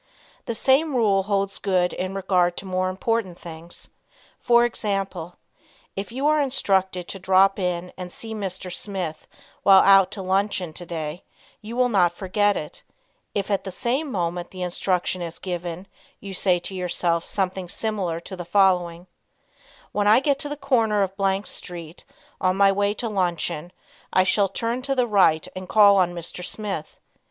The same rule holds good in regard to more important things. For example, if you are instructed to drop in and see Mr. Smith while out to luncheon today, you will not forget it, if, at the moment the instruction is given, you say to yourself something similar to the following: "When I get to the corner of Blank street, on my way to luncheon, I shall turn to the right and call on Mr. Smith."